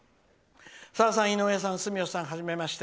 「さださん、井上さん、住吉さんはじめまして。